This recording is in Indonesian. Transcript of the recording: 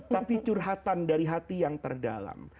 tapi curhatan dari hati yang terdalam